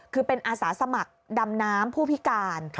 คือเป็นอาสาสมัครดำน้ำผู้พิการ